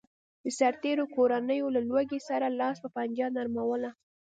د سرتېرو کورنیو له لوږې سره لاس و پنجه نرموله